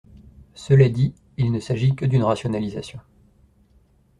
Cela dit, il ne s’agit que d’une rationalisation.